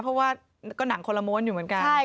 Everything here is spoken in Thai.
เพราะว่าก็หนังคนละม้วนอยู่เหมือนกัน